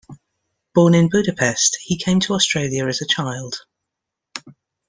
Born in Budapest, he came to Australia as a child.